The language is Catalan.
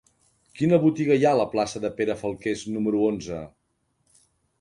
Quina botiga hi ha a la plaça de Pere Falqués número onze?